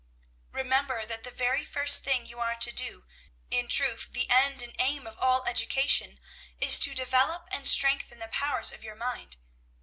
Remember that the very first thing you are to do, in truth the end and aim of all education, is to develop and strengthen the powers of your mind.